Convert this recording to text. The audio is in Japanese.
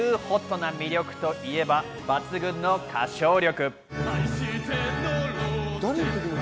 な魅力といえば、抜群の歌唱力。